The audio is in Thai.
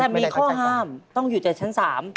แต่มีข้อห้ามต้องอยู่แต่ชั้น๓